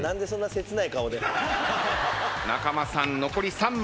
仲間さん残り３枚。